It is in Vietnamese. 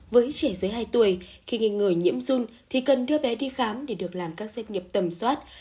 với trẻ dưới hai tuổi khi người nhiễm dung thì cần đưa bé đi khám để được làm các xét nghiệm tầm soát